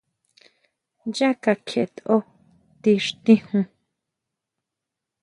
Yá kakjietʼó ti xtijun.